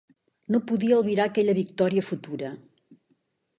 No podia albirar aquella victòria futura.